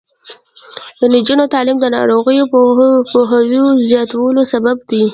د نجونو تعلیم د ناروغیو پوهاوي زیاتولو سبب دی.